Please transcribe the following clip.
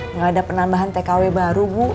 nggak ada penambahan tkw baru bu